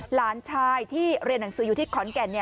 หลานชายที่เรียนหนังสืออยู่ที่ขอนแก่น